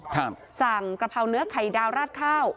สั่งกระเพราเนื้อไข่ดาวราดข้าว